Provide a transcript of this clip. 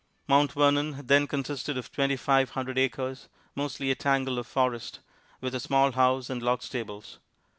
Mount Vernon then consisted of twenty five hundred acres, mostly a tangle of forest, with a small house and log stables.